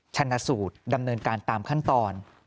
ชนะสูตรดำเนินการตามขั้นตอน